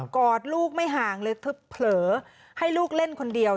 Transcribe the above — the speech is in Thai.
อดลูกไม่ห่างเลยเธอเผลอให้ลูกเล่นคนเดียว